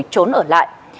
trốn ở lại